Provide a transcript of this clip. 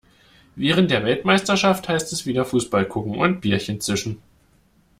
Während der Weltmeisterschaft heißt es wieder Fußball gucken und Bierchen zischen.